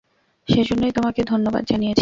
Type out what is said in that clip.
সেজন্যই তোমাকে ধন্যবাদ জানিয়েছি!